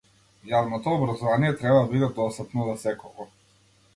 Јавното образование треба да биде достапно за секого.